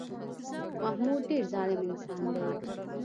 محمود ډېر ظالم انسان دی